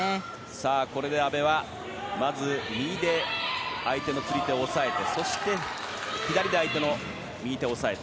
さあ、これで阿部はまず右で相手の釣り手を押さえてそして左で相手の右手を押さえる。